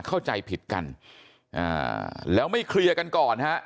เข้าใจผิดกันอ่าแล้วไม่เคลียร์กันก่อนฮะ